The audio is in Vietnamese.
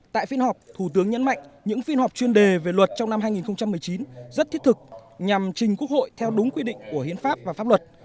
tại phiên họp thủ tướng nhấn mạnh những phiên họp chuyên đề về luật trong năm hai nghìn một mươi chín rất thiết thực nhằm trình quốc hội theo đúng quy định của hiến pháp và pháp luật